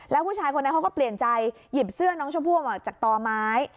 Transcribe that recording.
แล้วผู้ชายคนนั้นเขาก็เปลี่ยนใจหยิบเสื้อน้องชมพู่ออกจากต่อไม้